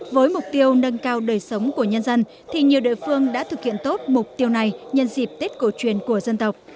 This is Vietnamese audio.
với mục tiêu nâng cao đời sống của nhân dân thì nhiều địa phương đã thực hiện tốt mục tiêu này nhân dịp tết cổ truyền của dân tộc